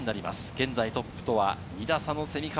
現在トップとは２打差の蝉川。